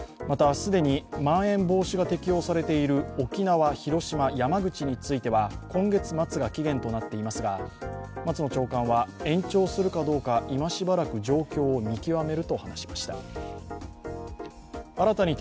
また既にまん延防止が適用されている沖縄、広島、山口については今月末が期限となっていますが松野長官は延長するかどうか、今しばらく状況を見極めると話しました。